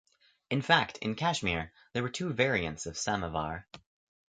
In fact in Kashmir, there were two variants of Samovar.